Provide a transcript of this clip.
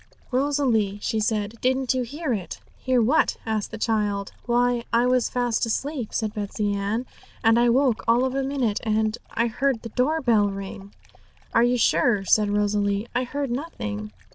'Rosalie,' she said, 'didn't you hear it?' 'Hear what?' asked the child. 'Why, I was fast asleep,' said Betsey Ann, 'and I woke all of a minute, and I heard the door bell ring.' 'Are you sure?' said Rosalie. 'I heard nothing.'